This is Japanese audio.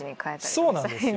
そうなんですよ。